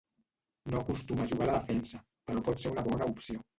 No acostuma a jugar a la defensa, però pot ser una bona opció.